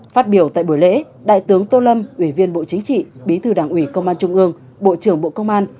phát biểu tại buổi lễ đại tướng tô lâm ủy viên bộ chính trị bí thư đảng ủy công an trung ương bộ trưởng bộ công an